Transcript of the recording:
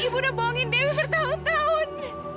ibu udah bohongin dewi bertahun tahun